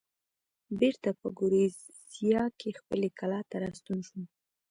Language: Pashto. بېرته په ګوریزیا کې خپلې کلا ته راستون شوم.